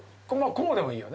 こうでもいいよね。